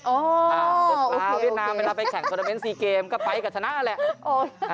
อ๋อโอเคโอเคอ๋ออ่าเวียดนามเวลาไปแข่งคอร์นาเม้นท์ซีเกมก็ไปกับชนะนั่นแหละ